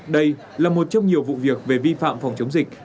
đây là một trong nhiều vụ việc về vi phạm phòng chống dịch